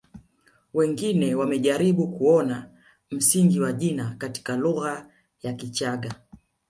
Wengine wamejaribu kuona msingi wa jina katika lugha ya Kichagga